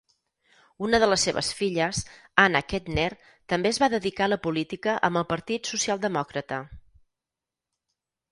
Una de els seves filles, Anna Kettner, també es va dedicar a la política amb el partit socialdemòcrata.